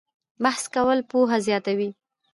بحث کول پوهه زیاتوي